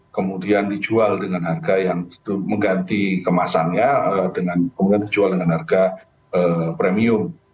kemudian dijual dengan harga yang mengganti kemasannya kemudian dijual dengan harga premium